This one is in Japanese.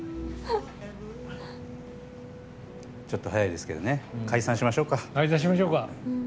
ちょっと早いですけど解散しましょうか。